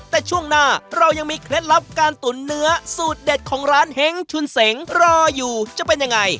แต่ช่วงหน้าเรายังมีเคล็ดลับการตุ๋นเนื้อสูตรเด็ดของร้านเฮ้งชุนเสงรออยู่จะเป็นยังไง